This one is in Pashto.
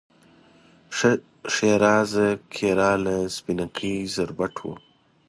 ښه ښېرازه کیراله، سپینکۍ زربټ و